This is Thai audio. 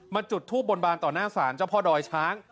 จุดทูบบนบานต่อหน้าศาลเจ้าพ่อดอยช้าง